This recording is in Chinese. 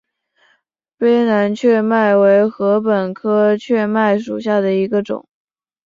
卑南雀麦为禾本科雀麦属下的一个种。